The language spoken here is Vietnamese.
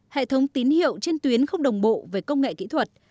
hệ thống tín hiệu trên tuyến không đồng bộ về công nghệ kỹ thuật